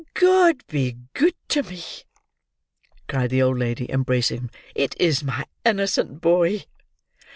"God be good to me!" cried the old lady, embracing him; "it is my innocent boy!"